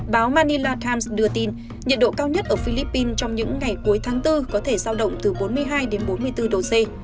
báo manila times đưa tin nhiệt độ cao nhất ở philippines trong những ngày cuối tháng bốn có thể giao động từ bốn mươi hai đến bốn mươi bốn độ c